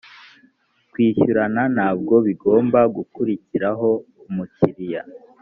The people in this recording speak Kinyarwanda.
kwishyurana ntabwo bigomba gukuriraho umukiriya